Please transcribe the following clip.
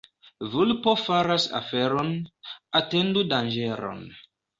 Vulpo faras oferon — atendu danĝeron.